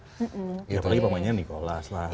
apalagi pemainnya nicholas lah